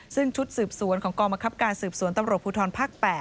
ซึ่งชุดสืบสวนของกองบังคับการสืบสวนตำรวจภูทรภาค๘